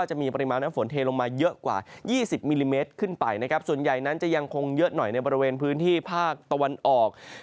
จะยังคงเยอะหน่อยในบริเวณพื้นที่ภาคตะวันออก